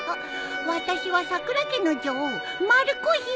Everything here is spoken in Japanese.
私はさくら家の女王まる子姫。